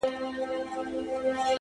خوله يوه ښه ده ـ خو خبري اورېدل ښه دي ـ